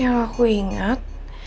yang aku ingat